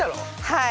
はい。